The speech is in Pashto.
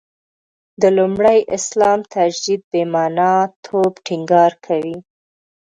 د لومړي اسلام تجدید «بې معنا» توب ټینګار کوي.